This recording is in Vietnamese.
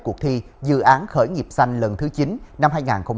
cuộc thi dự án khởi nghiệp xanh lần thứ chín năm hai nghìn hai mươi